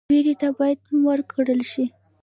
ویرې ته باید نوم ورکړل شي.